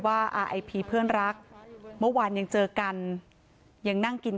ว่าอาไอพีเพื่อนรักเมื่อวานยังเจอกันยังนั่งกิน